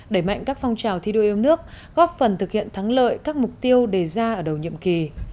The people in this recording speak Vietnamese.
đẩy mạnh các phong trào thi đua yêu nước góp phần thực hiện thắng lợi các mục tiêu đề ra ở đầu nhiệm kỳ